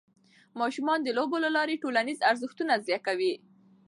ماشومان د لوبو له لارې ټولنیز ارزښتونه زده کوي.